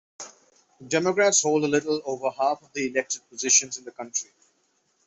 Democrats hold a little over half of the elected positions in the county.